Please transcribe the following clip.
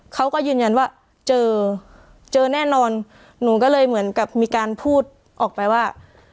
เขาก็ยืนยันว่าเจอเจอแน่นอนหนูก็เลยเหมือนกับมีการพูดออกไปว่า